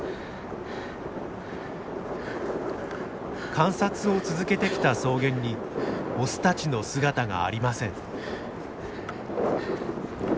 観察を続けてきた草原にオスたちの姿がありません。